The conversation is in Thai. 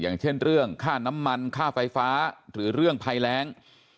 อย่างเช่นเรื่องค่าน้ำมันค่าไฟฟ้าหรือเรื่องภัยแรง